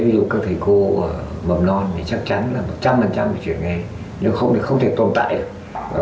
ví dụ các thầy cô bầm non thì chắc chắn là một trăm phần trăm phải chuyển nghề nhưng không thể tồn tại được